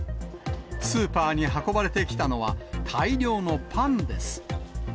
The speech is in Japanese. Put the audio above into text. スーパーに運ばれてきたのは、大量のパンです。